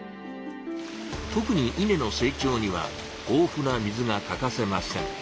特に稲の成長にはほうふな水が欠かせません。